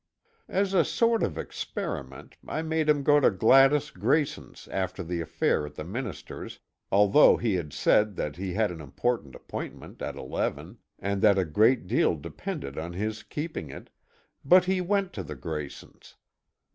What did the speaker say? As a sort of experiment, I made him go to Gladys Grayson's after the affair at the minister's although he had said that he had an important appointment at eleven, and that a great deal depended on his keeping it but he went to the Graysons'.